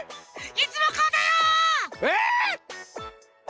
いつもこうだよ！え！？